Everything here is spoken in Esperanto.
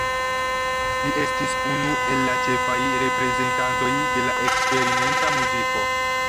Li estis unu el ĉefaj reprezentantoj de la eksperimenta muziko.